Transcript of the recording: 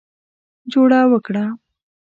جوړه وکړه.